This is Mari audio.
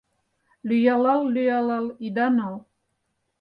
Лӱялал-лӱялал ида нал;